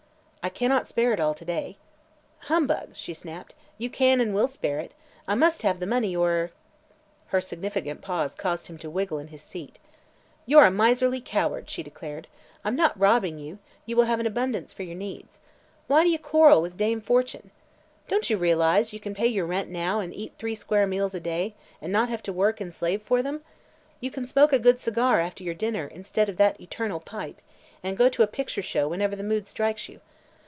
"I cannot spare it all today." "Humbug!" she snapped. "You can and will spare it. I must have the money, or " Her significant pause caused him to wriggle in his seat. "You're a miserly coward," she declared. "I'm not robbing you; you will have an abundance for your needs. Why do you quarrel with Dame Fortune? Don't you realize you can pay your rent now and eat three square meals a day, and not have to work and slave for them? You can smoke a good cigar after your dinner, instead of that eternal pipe, and go to a picture show whenever the mood strikes you.